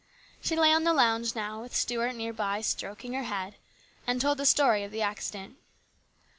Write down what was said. She lay on the lounge now, with Stuart near by stroking her head, and told the story of the accident.